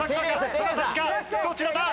どちらだ？